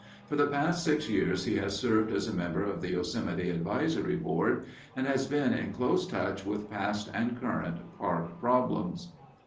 For the past six years he has served as a member of the Yosemite Advisory Board, and has been in close touch with past and current park problems.